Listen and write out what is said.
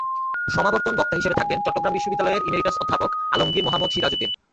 সমাবর্তন বক্তা হিসেবে থাকবেন চট্টগ্রাম বিশ্ববিদ্যালয়ের ইমেরিটাস অধ্যাপক আলমগীর মোহাম্মদ সিরাজুদ্দীন।